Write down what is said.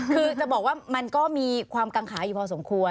คือจะบอกว่ามันก็มีความกังขาอยู่พอสมควร